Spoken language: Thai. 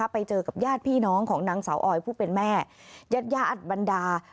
ไปเจอกับญาติพี่น้องของนางสาวออยผู้เป็นแม่ญาติญาติอัดบรรดา